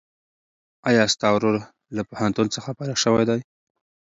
ایا ستا ورور له پوهنتون څخه فارغ شوی دی؟